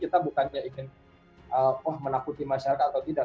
kita bukannya ingin menakuti masyarakat atau tidak